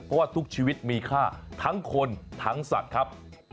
เพราะว่าทุกชีวิตมีค่าทั้งคนทั้งสัตว์ครับ